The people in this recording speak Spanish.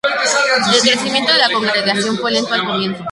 El crecimiento de la congregación fue lento al comienzo.